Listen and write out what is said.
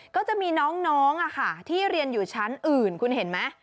ก็จะมีน้องที่เรียนอยู่ชั้นอื่นคุณเห็นไหม